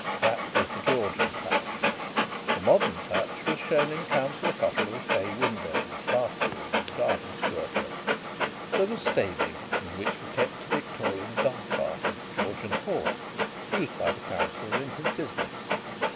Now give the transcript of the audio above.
That was the Georgian touch! The modern touch was shown in Councillor Cotterill's bay windows, bath room and garden squirter. There was stabling, in which were kept a Victorian dogcart and a Georgian horse, used by the Councillor in his business.